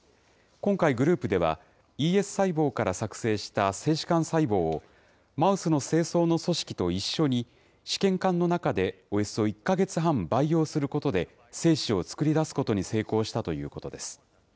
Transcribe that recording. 今回、グループでは、ＥＳ細胞から作製した精子幹細胞を、マウスの精巣の組織と一緒に試験管の中でおよそ１か月半培養することで、精子を作り出すことに成功したということです。